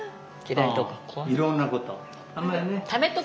いろんなこと。